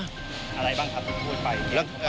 อะไรบ้างครับที่พูดไป